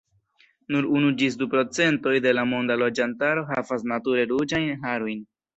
Nur unu ĝis du procentoj de la monda loĝantaro havas nature ruĝajn harojn.